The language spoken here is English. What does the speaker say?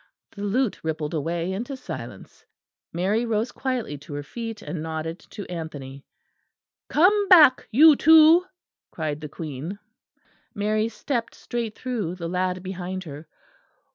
The lute rippled away into silence. Mary rose quietly to her feet and nodded to Anthony. "Come back, you two!" cried the Queen. Mary stepped straight through, the lad behind her.